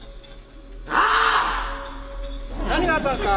なあ！？何があったんですか？